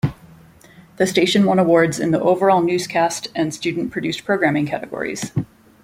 The station won awards in the "overall newscast" and "student produced programming" categories.